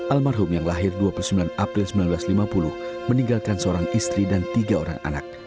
almarhum yang lahir dua puluh sembilan april seribu sembilan ratus lima puluh meninggalkan seorang istri dan tiga orang anak